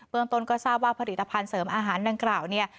เมืองต้นก็ทราบว่าผลิตภัณฑ์เสริมอาหารดังกล่าวเนี่ย